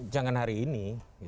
jangan hari ini